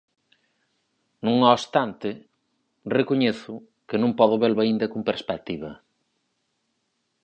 Non obstante, recoñezo que non podo velo aínda con perspectiva.